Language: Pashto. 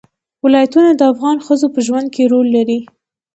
ولایتونه د افغان ښځو په ژوند کې رول لري.